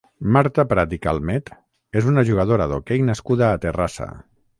Marta Prat i Calmet és una jugadora d'hoquei nascuda a Terrassa.